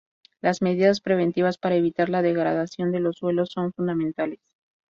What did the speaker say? Las medidas preventivas para evitar la degradación de los suelos son fundamentales.